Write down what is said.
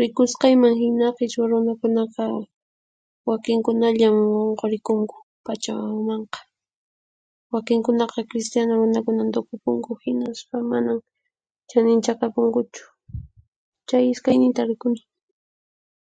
Rikusqaymanhina, qhichwa runakunaqa wakinkunallañan qunqurikunku Pachamamanqa, wakinkunaqa cristiyanu runakuna tukupunku hinaspa manan chaninchakapunkuchu. Chay ishkayninta rikuni.